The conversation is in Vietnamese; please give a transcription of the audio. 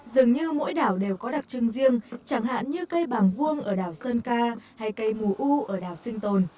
dường như mỗi đảo đều có đặc trưng riêng chẳng hạn như cây bàng vuông ở đảo sơn ca hay cây mù u ở đảo sinh tồn